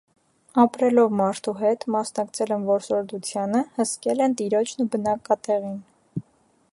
Ապրելով մարդու հետ՝ մասնակցել են որսորդությանը, հսկել են տիրոջն ու բնակատեղին։